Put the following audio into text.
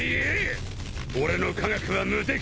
俺の科学は無敵！